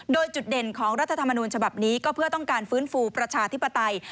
โดยจุดเด่นของรัฐธรรมนูญฉบับนี้ก็เพื่อต้องการฟื้นฟูประชาธิปไตย